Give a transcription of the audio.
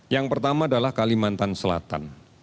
yang pertama adalah kalimantan selatan